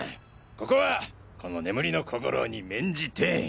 ここはこの眠りの小五郎に免じて。